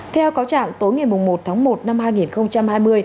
theo cáo trạng tối ngày một tháng một năm hai nghìn hai mươi